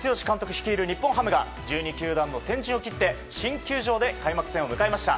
率いる日本ハムが１２球団の先陣を切って新球場で開幕戦を迎えました。